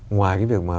ngoài cái việc mà